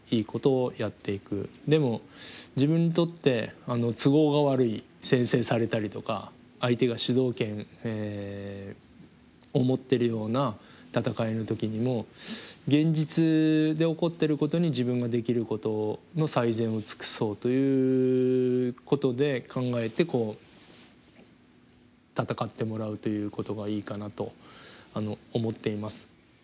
でも自分にとって都合が悪い先制されたりとか相手が主導権を持ってるような戦いの時にも現実で起こってることに自分ができることの最善を尽くそうということで考えて戦ってもらうということがいいかなと思っています。